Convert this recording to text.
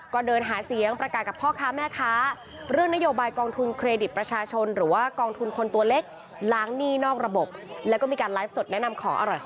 ก็เดินหาเสียงประกาศกับพ่อค้าแม่ค้า